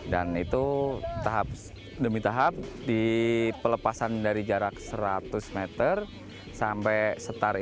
dan itu tahap demi tahap di pelepasan dari jarak seratus meter sampai setar itu